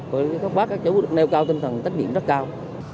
còn các bác các chú cũng được nêu cao tinh thần trách nhiệm rất cao